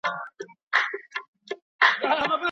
حکومت بايد د شومو تصميمونو ملاتړ ونه کړي.